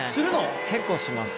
結構します。